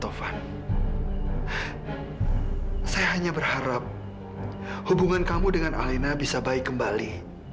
saya hanya berharap hubungan kamu dengan alena bisa baik kembali